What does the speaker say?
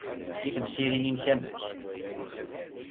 I temsirin-nnek, amek?